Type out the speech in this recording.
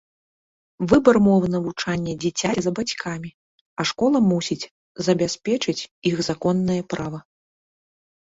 Выбар мовы навучання дзіцяці за бацькамі, а школа мусіць забяспечыць іх законнае права.